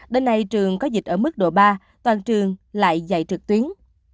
đến nay trường có dịch ở mức độ ba toàn trường lại dạy trực tuyến